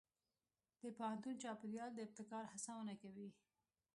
د پوهنتون چاپېریال د ابتکار هڅونه کوي.